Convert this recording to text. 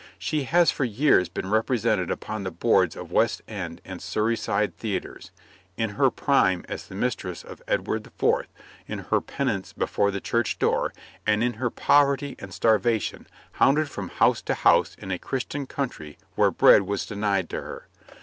She has for years been represented upon the boards of West End and Surrey side theatres in her prime as the mistress of Edward IV., in her penance before the church door, and in her poverty and starvation, hounded from house to house in a Christian country where bread was denied to her.